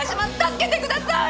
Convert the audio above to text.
助けてください！